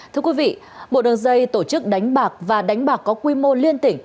thưa quý vị một đường dây tổ chức đánh bạc và đánh bạc có quy mô liên tỉnh